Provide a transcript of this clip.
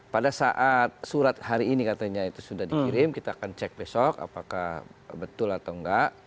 pada saat surat hari ini katanya itu sudah dikirim kita akan cek besok apakah betul atau enggak